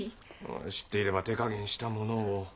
あ知っていれば手加減したものを。